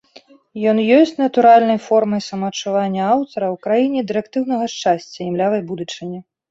Ён ёсць натуральнай формай самаадчування аўтара ў краіне дырэктыўнага шчасця і млявай будучыні.